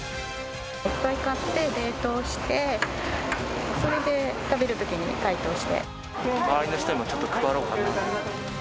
いっぱい買って、冷凍して、周りの人にもちょっと配ろうかなと。